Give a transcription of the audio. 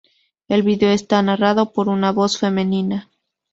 El vídeo está narrado por una voz femenina.